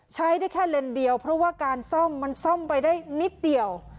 ใช้ได้แค่เลนส์เดียวเพราะว่าการซ่อมมันซ่อมไปได้นิดเดียว